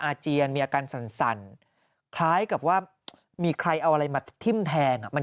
อาเจียนมีอาการสั่นคล้ายกับว่ามีใครเอาอะไรมาทิ้มแทง